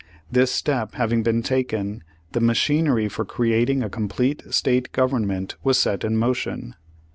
This step having been taken, the ma chinery for creating a complete State Government was set in motion.